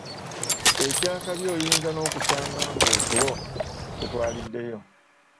Eky’akabi oyinza n’okusanga ng’otulo tukutwaliddeyo.